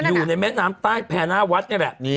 อยู่ในแม่งน้ำใต้แผนาวัดเนี่ยแหละ